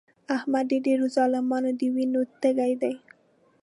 احمد د ډېرو ظالمانو د وینو تږی دی.